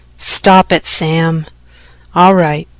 "Stop it, Sam." "All right.